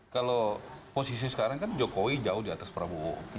kalau posisi sekarang kan jokowi jauh di atas prabowo